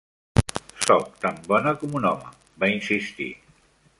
Soc tan bona com un home, va insistir.